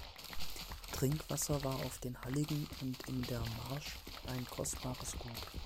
Trinkwasser war auf den Halligen und in der Marsch ein kostbares Gut.